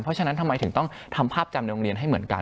เพราะฉะนั้นทำไมถึงต้องทำภาพจำในโรงเรียนให้เหมือนกัน